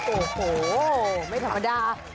โอ้โหไม่ธรรมดา